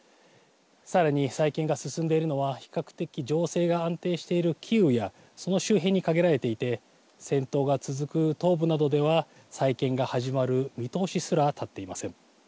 さらに再建が進んでいるのは比較的情勢が安定しているキーウやその周辺に限られていて戦闘が続く東部などでは再建が始まる見通しすら立っていません。